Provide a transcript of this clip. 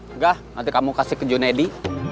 enggak nanti kamu kasih ke junaidi